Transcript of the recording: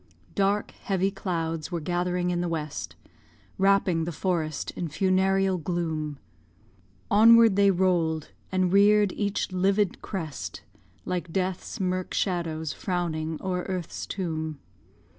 ] Dark, heavy clouds were gathering in the west, Wrapping the forest in funereal gloom; Onward they roll'd, and rear'd each livid crest, Like Death's murk shadows frowning o'er earth's tomb.